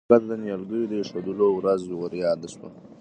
ارمان کاکا ته د نیالګیو د ایښودلو ورځ وریاده شوه.